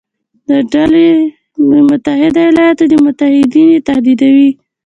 دا ډلې د متحده ایالاتو او متحدین یې تهدیدوي.